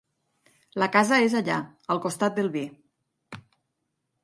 La casa és allà, al costat del vi.